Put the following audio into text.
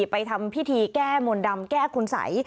ไปทำพิธีแก้มนต์ดำแก้คุณสัย